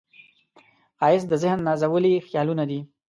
ښایست د ذهن نازولي خیالونه دي